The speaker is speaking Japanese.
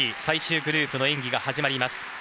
最終グループの演技が始まります。